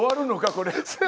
これ」。